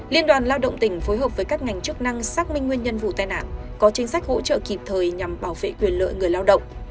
liên đoàn lao động tỉnh phối hợp với các ngành chức năng xác minh nguyên nhân vụ tai nạn có chính sách hỗ trợ kịp thời nhằm bảo vệ quyền lợi người lao động